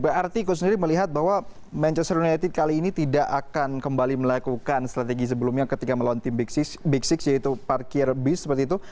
berarti ku sendiri melihat bahwa manchester united kali ini tidak akan kembali melakukan strategi sebelumnya ketika melawan tim big enam yaitu parkir bis seperti itu